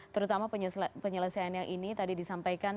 terutama penyelesaian yang ini tadi disampaikan